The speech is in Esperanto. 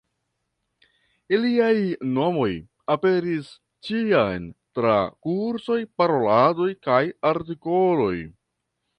Iliaj nomoj aperis ĉiam tra kursoj, paroladoj kaj artikoloj.